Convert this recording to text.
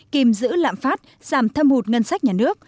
kìm giữ lạm phát giảm thâm hụt ngân sách nhà nước